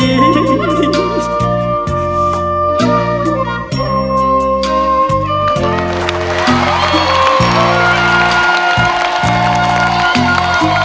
อย่างนี้